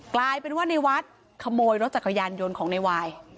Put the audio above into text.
กลายเป็นว่าในวัดขโมยรถจักรยานยนต์ของในวาย